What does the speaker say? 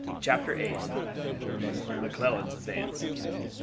CHAPTER VIII. McCLELLAN'S ADVANCE.